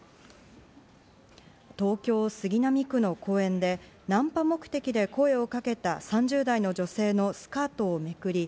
東京・杉並区の公園でナンパ目的で声をかけた３０代の女性のスカートをめくり、